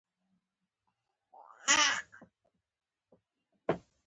لیکونه د انګرېزانو لاسته ورغلل.